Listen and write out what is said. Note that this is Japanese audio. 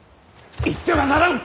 行ってはならん！